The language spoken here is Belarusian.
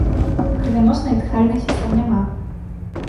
Крывяноснай і дыхальнай сістэм няма.